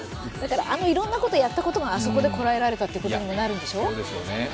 いろんなことをやったことがあそこでこらえられたということになるんでしょう。